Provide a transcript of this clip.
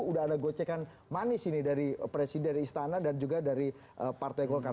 udah ada gocekan manis ini dari presiden istana dan juga dari partai golkar